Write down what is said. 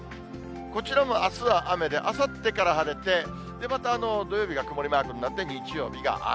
こちらもあすは雨で、あさってから晴れて、また土曜日が曇りマークになって、日曜日が雨。